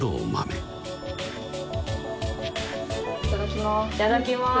いただきます